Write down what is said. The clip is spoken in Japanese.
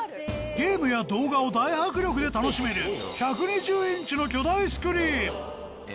ゲームや動画を大迫力で楽しめる１２０インチの巨大スクリーンえ